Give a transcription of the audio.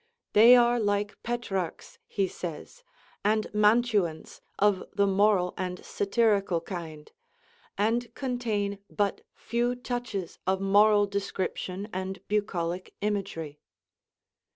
"They are like Petrarch's," he says, "and Mantuans of the moral and satirical kind; and contain but few touches of moral description and bucolic imagery."